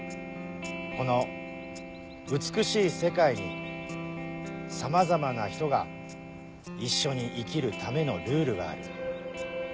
この美しい世界にさまざまな人が一緒に生きるためのルールがある。